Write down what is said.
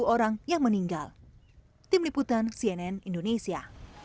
dua puluh orang yang meninggal tim liputan cnn indonesia